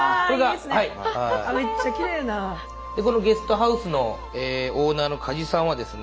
このゲストハウスのオーナーの鍛冶さんはですね